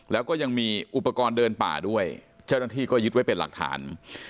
แล้วก็ยังมีอุปกรณ์เดินป่าด้วยเจ้าหน้าที่ก็ยึดไว้เป็นหลักฐาน